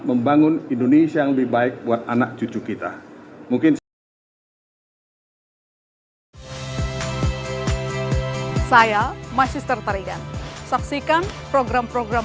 membangun indonesia yang lebih baik buat anak cucu kita